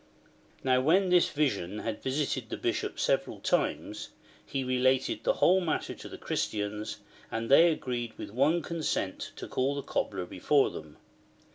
Now when this vision had visited the Bishop several times, he related the whole matter to the Christians, and they agreed with one consent to call the Cobler before them.